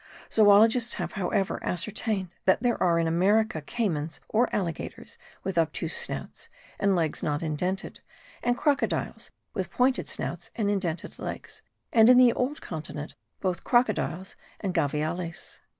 Zoologists have, however, ascertained that there are in America caymans or alligators with obtuse snouts, and legs not indented, and crocodiles with pointed snouts and indented legs; and in the old continent, both crocodiles and gaviales.